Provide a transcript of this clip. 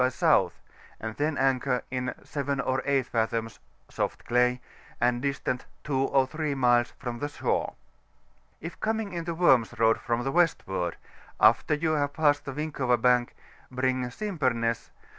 by S., and then anchor in 7 or 8 fathoms, soft clay, and dbtant 2 or 3 miles from the shore. K coining into Worms Road from the westward, after vou have passed the Winkova Bank, bring Simpemess W.